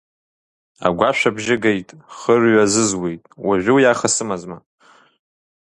Агәашә абжьы геит, хырҩ азызуит, уажәы уи аха сымазма.